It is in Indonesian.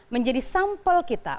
menjadi sampel kita